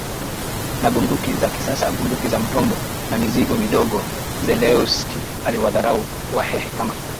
na bunduki za kisasa bunduki za mtombo na mizinga midogo Zelewski aliwadharau Wahehe kama